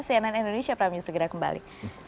cnn indonesia prime news segera kembali